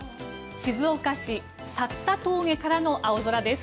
静岡市・さった峠からの青空です。